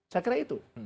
saya kira itu